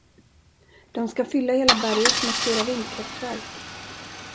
De ska fylla hela berget med stora vindkraftverk.